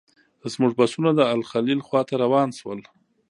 زموږ بسونه د الخلیل خواته روان شول.